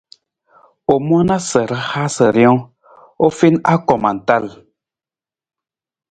U moona sa ra haasa rijang u fiin anggoma tal.